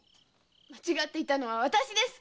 間違っていたのは私です！